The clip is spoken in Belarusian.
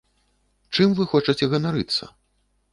Чым вы хочаце ганарыцца?